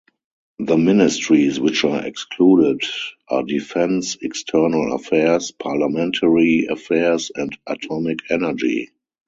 The ministries which are excluded are defence, external affairs, parliamentary affairs and atomic energy.